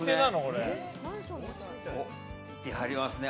いてはりますね。